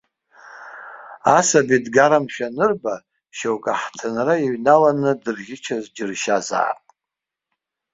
Асаби дгарамшәа анырба шьоук аҳҭынра иҩналаны дырӷьычыз џьыршьазаап.